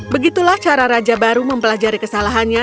begitulah cara raja baru mempelajari kesalahannya